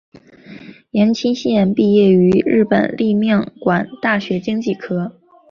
颜钦贤毕业于日本立命馆大学经济科。